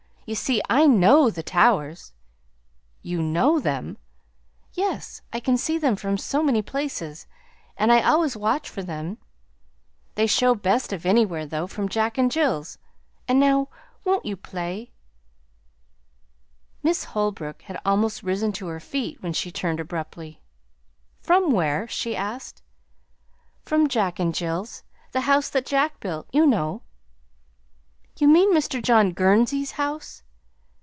You see, I KNOW the towers." "You KNOW them!" "Yes. I can see them from so many places, and I always watch for them. They show best of anywhere, though, from Jack and Jill's. And now won't you play?" Miss Holbrook had almost risen to her feet when she turned abruptly. "From where?" she asked. "From Jack and Jill's the House that Jack Built, you know." "You mean Mr. John Gurnsey's house?"